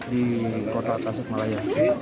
di kota tasik malaya